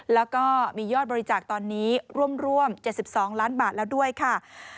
แล้วก็มียอดบริจาคตอนนี้ร่วม๗๒ล้านบาทแล้วด้วยค่ะ